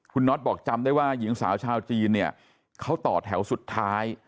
คุณน็อตบอกจำได้ว่าหญิงสาวชาวจีนเนี่ยเขาต่อแถวสุดท้าย